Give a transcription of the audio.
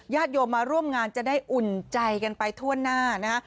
โยมมาร่วมงานจะได้อุ่นใจกันไปทั่วหน้านะฮะ